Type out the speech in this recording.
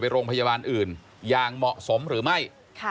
โรงพยาบาลอื่นอย่างเหมาะสมหรือไม่